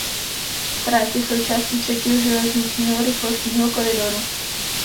Trať je součástí třetího železničního rychlostního koridoru.